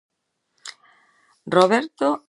Roberto estaría soprendidísimo.